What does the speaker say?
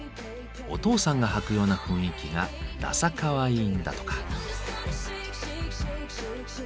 お父さんが履くような雰囲気がダサかわいいんだとか。